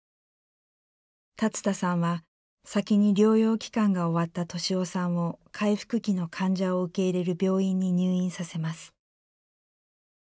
龍田さんは先に療養期間が終わった敏夫さんを回復期の患者を受け入れる病院に入院させます。